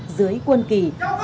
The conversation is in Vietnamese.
dưới quân kỳ